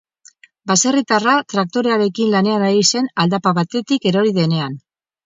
Baserritarra traktorearekin lanean ari zen aldapa batetik erori denean.